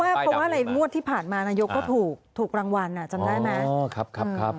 เพราะว่าในงวดที่ผ่านมานายกก็ถูกถูกรางวัลอ่ะจำได้มั้ย